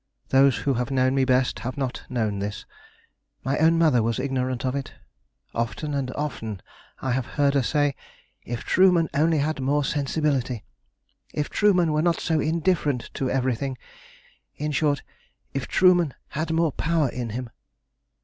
Those who have known me best have not known this. My own mother was ignorant of it. Often and often have I heard her say: "If Trueman only had more sensibility! If Trueman were not so indifferent to everything! In short, if Trueman had more power in him!"